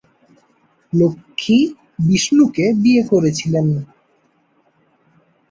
লক্ষ্মী বিষ্ণুকে বিয়ে করেছিলেন।